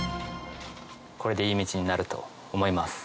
これでいい道になると思います。